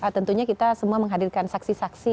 tentunya kita semua menghadirkan saksi saksi